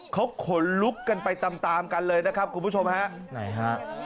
เขาขนลุกกันไปตามตามกันเลยนะครับคุณผู้ชมฮะไหนฮะ